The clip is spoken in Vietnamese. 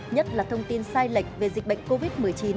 nhất là thông tin sai lệch về dịch bệnh covid một mươi chín